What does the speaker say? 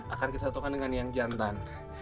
akan kesatukan dengan yang jantan